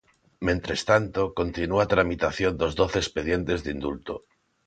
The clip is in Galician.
Mentres tanto, continúa a tramitación dos doce expedientes de indulto.